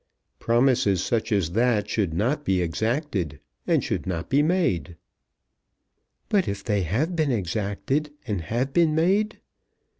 "Promises such as that should not be exacted, and should not be made." "But if they have been exacted and have been made?